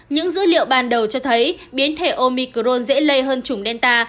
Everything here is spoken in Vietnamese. những dữ liệu ban đầu cho thấy biến thể omicron dễ lây hơn chủng delta